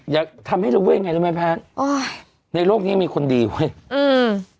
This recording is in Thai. อยากทำให้รู้ว่าไงแล้วแม่แพ้นโอ้ยในโลกนี้มีคนดีเว้ยอืม